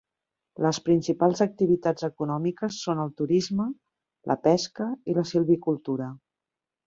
Les principals activitats econòmiques són el turisme, la pesca i la silvicultura.